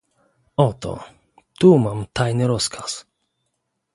"Oto, tu mam tajny rozkaz..."